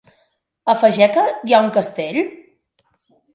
A Fageca hi ha un castell?